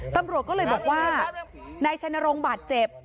ตำรวจก็เลยบอกว่านายชัยนรงค์บาดเจ็บ